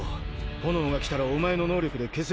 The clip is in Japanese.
炎が来たらお前の能力で消せるか？